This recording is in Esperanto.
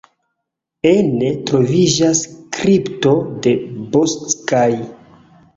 Ene troviĝas kripto de Bocskai.